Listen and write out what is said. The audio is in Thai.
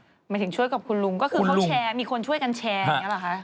หมายถึงช่วยกับคุณลุงก็คือเขาแชร์มีคนช่วยกันแชร์อย่างนี้หรอคะ